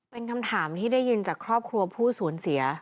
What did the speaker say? เป็นคำถามที่ได้ยินจากครอบครัวผู้สูญเสีย